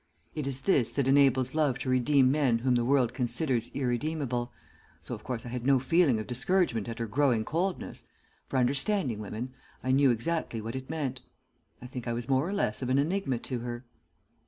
It is this that enables love to redeem men whom the world considers irredeemable, so, of course, I had no feeling of discouragement at her growing coldness, for, understanding women, I knew exactly what it meant. I think I was more or less of an enigma to her."